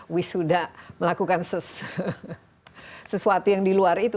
wisuda melakukan sesuatu yang di luar itu